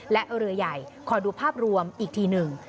และเรือใหญ่ขอดูภาพรวมอีกทีหนึ่ง